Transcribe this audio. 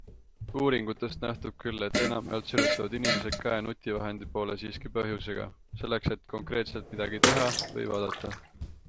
Uuringutest nähtub küll, et enamjaolt sirutavad inimesed käe nutivahendi poole siiski põhjusega, selleks et konkreetselt midagi teha või vaadata.